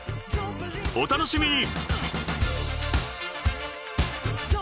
［お楽しみに］